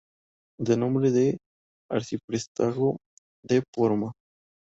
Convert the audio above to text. Da nombre al Arciprestazgo de Porma.